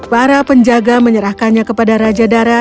para penjaga menyerahkannya kepada raja dara